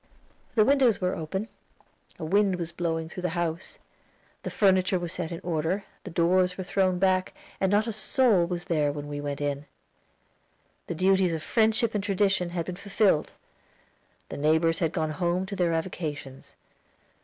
The windows were open; a wind was blowing through the house, the furniture was set in order, the doors were thrown back, but not a soul was there when we went in. The duties of friendship and tradition had been fulfilled; the neighbors had gone home to their avocations.